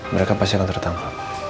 mereka pasti akan tertangkap